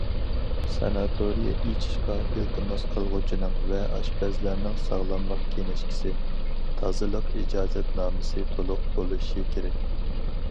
ساناتورىيە ئېچىشقا ئىلتىماس قىلغۇچىنىڭ ۋە ئاشپەزلەرنىڭ ساغلاملىق كىنىشكىسى، تازىلىق ئىجازەتنامىسى تولۇق بولۇشى كېرەك.